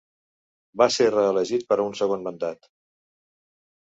Va ser reelegit per a un segon mandat.